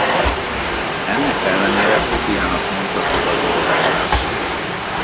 Ennek ellenére hobbijának mondható az olvasás.